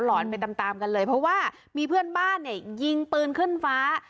อนไปตามตามกันเลยเพราะว่ามีเพื่อนบ้านเนี่ยยิงปืนขึ้นฟ้า